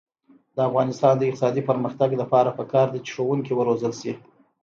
د افغانستان د اقتصادي پرمختګ لپاره پکار ده چې ښوونکي وروزل شي.